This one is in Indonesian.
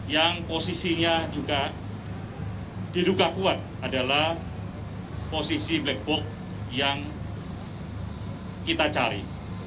yang posisinya juga diduga kuat adalah posisi black box yang kita cari